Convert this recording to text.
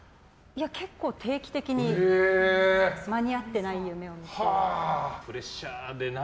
結構定期的に間に合ってない夢を見て。